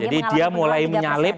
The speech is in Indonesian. jadi dia mulai menyalip